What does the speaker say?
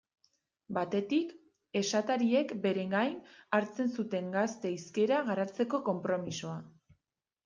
Batetik, esatariek beren gain hartzen zuten gazte hizkera garatzeko konpromisoa.